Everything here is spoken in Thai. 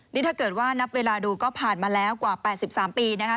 นี่ถ้าเกิดว่านับเวลาดูก็ผ่านมาแล้วกว่า๘๓ปีนะคะ